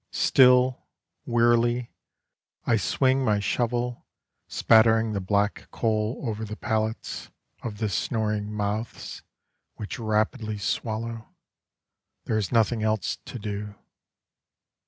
Still, wearily, I swing my shovel, Spattering the black coal over the palates Of the snoring mouths which rapidly swallow. There is nothing else to do.